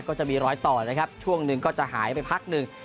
ก็จะมีรอยต่อนะครับช่วงหนึ่งก็จะหายไปพักหนึ่ง